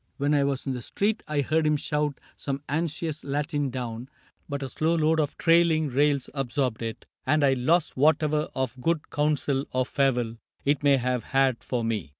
When I was in the street I heard him shout Some anxious Latin down ; but a slow load Of trailing rails absorbed it, and I lost Whatever of good counsel or farewell It may have had for me.